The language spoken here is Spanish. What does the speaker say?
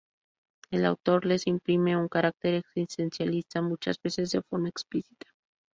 El autor les imprime un carácter existencialista, muchas veces de forma explícita.